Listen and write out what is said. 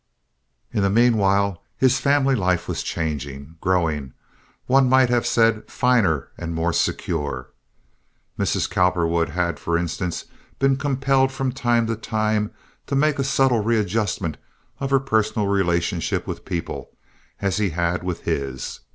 In the meanwhile his family life was changing—growing, one might have said, finer and more secure. Mrs. Cowperwood had, for instance, been compelled from time to time to make a subtle readjustment of her personal relationship with people, as he had with his.